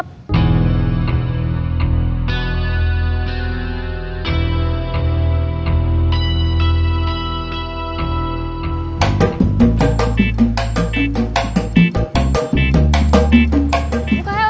buka helm sama jaketnya